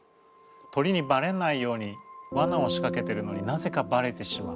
鳥にバレないようにわなを仕かけてるのになぜかバレてしまう。